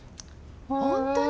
本当に？